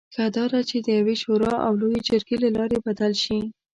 ښه دا ده چې د یوې شورا او لویې جرګې له لارې بدل شي.